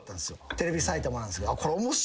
テレビ埼玉なんすけど。